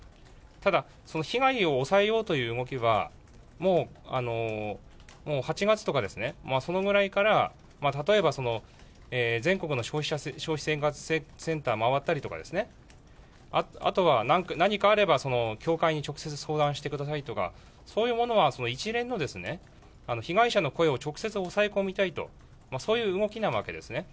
ただ、被害を抑えようという動きは、もう８月とか、そのぐらいから、例えば、全国の消費生活センターを回ったりとかですね、あとは何かあれば、教会に直接相談してくださいとか、そういうものは一連の被害者の声を直接抑え込みたいと、そういう動きなわけですね。